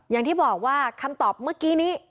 อย่างที่บอกว่าคำตอบเมื่อกี้นี้